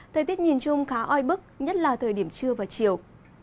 thời tiết nhìn chung khá oi bức nhất là thời điểm trưa và chiều